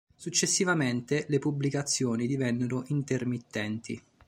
Successivamente, le pubblicazioni divennero intermittenti.